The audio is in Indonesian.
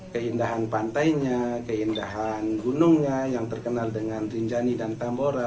keindahan pantainya keindahan gunungnya yang terkenal dengan rinjani dan tambora